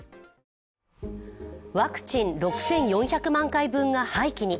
ワクチン６４００万回分が廃棄に。